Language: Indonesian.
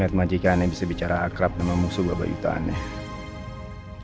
lihat makjikannya bisa bicara akrab sama musuh bapak itu aneh